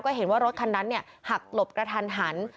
ถึงคันนั้นหักหลบกระทัน